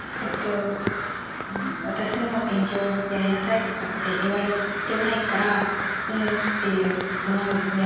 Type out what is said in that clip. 私も勉強やりなさいとかって言われてないからうんっていう思いにはなったことあります。